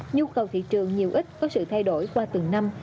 nhu cầu thị trường nhiều ít có sự thay đổi qua từng năm